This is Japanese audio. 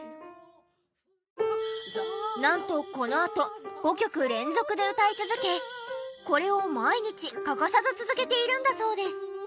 なんとこのあと５曲連続で歌い続けこれを毎日欠かさず続けているんだそうです。